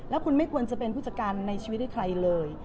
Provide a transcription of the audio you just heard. แล้วคุณไม่ควรจะเป็นผู้จัดการในชีวิตให้ใครเลย